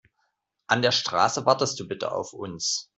An der Straße wartest du bitte auf uns.